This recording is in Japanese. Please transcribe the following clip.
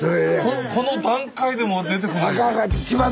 この段階でも出てこない。